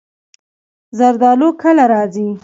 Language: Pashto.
زردالو کله راځي؟